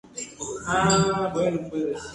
Una canción bailable y con ritmo urbano con funk.